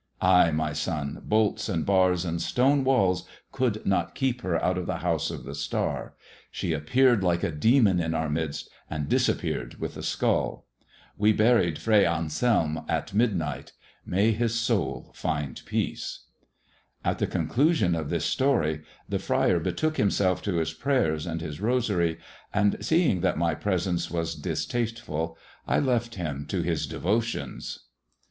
Ay, my son, bolts i bars and stone walls could not keep her out of the ] of the Star. She appeared like a demon in our midst, i disappeared with the skull. We bimed Fray Anselm i midnight. May his soul find peace I " At the conclusion of this story tJie fri&r betook himself J to his prayers and his rosary; and, seeing that my presence I was distasteful, I left him to his devotions.